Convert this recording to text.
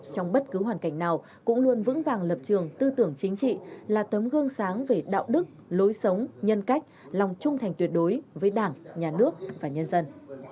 trong bất cứ hoàn cảnh nào cũng luôn vững vàng lập trường tư tưởng chính trị là tấm gương sáng về đạo đức lối sống nhân cách lòng trung thành tuyệt đối với đảng nhà nước và nhân dân